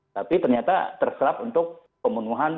tapi ternyata terserap untuk pemenuhan